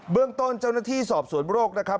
เรื่องต้นเจ้าหน้าที่สอบสวนโรคนะครับ